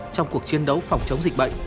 trong cuộc chiến đấu phòng chống dịch bệnh